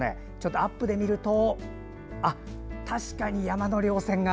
アップで見ると確かに山のりょう線が。